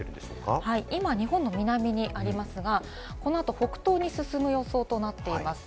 今、日本の南にありますが、このあと北東に進む予想となっています。